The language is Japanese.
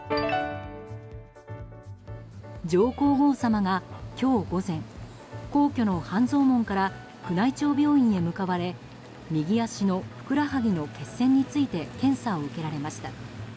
上皇后さまが今日午前皇居の半蔵門から宮内庁病院へ向かわれ右足のふくらはぎの血栓について検査を受けられました。